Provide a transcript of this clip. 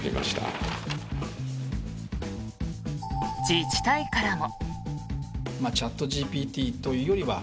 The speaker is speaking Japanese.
自治体からも。